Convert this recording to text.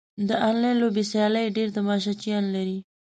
د انلاین لوبو سیالۍ ډېر تماشچیان لري.